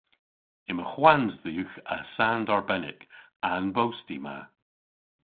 Yma hwans dhywgh a sand arbennik a'n bosti ma.